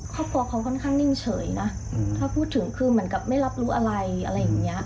ครอบครัวเขาค่อนข้างนิ่งเฉยนะถ้าพูดถึงคือเหมือนกับไม่รับรู้อะไรอะไรอย่างเงี้ย